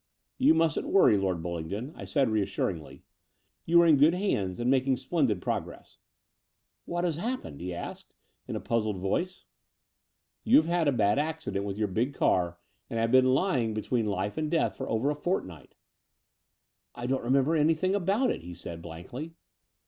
"You mustn't worry. Lord Bullingdon," I said reassuringly. "You are in good hands and mak ing splendid progress. '' "What has happened?" he asked in a puzzled voice. Between London and Clymping 173 You had a bad accident with your big car and have been lying between life and death for over a fortnight." I don't remember anything about it," he said blankly.